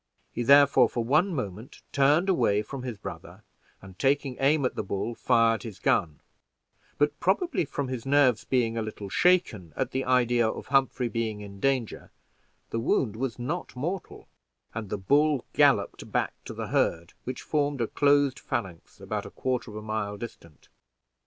He therefore, for one moment, turned away from his brother, and, taking aim at the bull, fired his gun; but probably from his nerves being a little shaken at the idea of Humphrey being in danger, the wound was not mortal, and the bull galloped back to the herd, which formed a closed phalanx about a quarter of a mile distant.